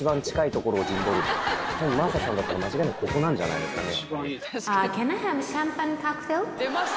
多分真麻さんだったら間違いなくここなんじゃないですかね。